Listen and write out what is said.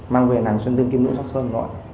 mang về nàng xuyên tương kim lũ sắc sơn